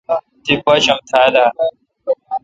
تی باشم تھال اؘ۔